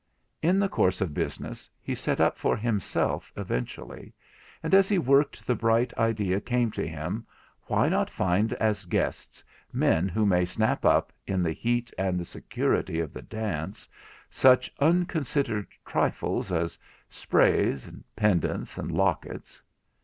In the course of business, he set up for himself eventually; and as he worked, the bright idea came to him, why not find as guests men who may snap up, in the heat and the security of the dance, such unconsidered trifles as sprays, pendants, and lockets.